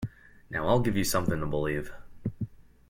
Now I’ll give you something to believe.